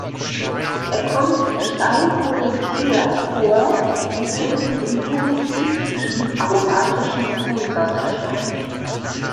Er kommt im Steinkohlenteer vor und zählt zu den polycyclischen aromatischen Kohlenwasserstoffen.